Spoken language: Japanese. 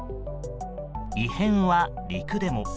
異変は陸でも。